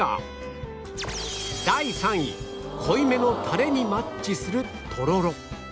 第３位濃いめのタレにマッチするとろろ